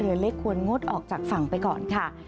เรือเล็กควรงดออกจากฝั่งไปก่อนค่ะ